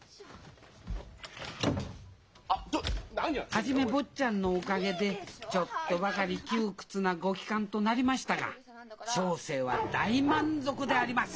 一坊ちゃんのおかげでちょっとばかり窮屈なご帰還となりましたが小生は大満足であります！